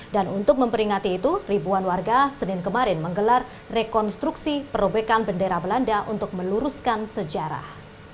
dan untuk memperingati itu ribuan warga senin kemarin menggelar rekonstruksi perobekan bendera belanda untuk meluruskan sejarah